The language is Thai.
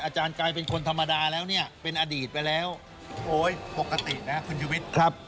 อาจารย์กลายเป็นคนธรรมดาแล้วเนี่ยเป็นอดีตไปแล้วโอ๊ยปกตินะคุณชุวิตครับ